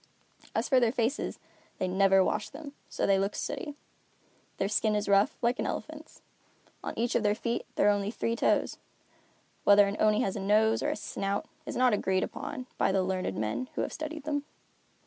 As for their faces, they never wash them, so they look sooty. Their skin is rough, like an elephant's. On each of their feet are only three toes. Whether an Oni has a nose, or a snout, is not agreed upon by the learned men who have studied them.